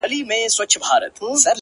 د سپینتمان د سردونو د یسنا لوري’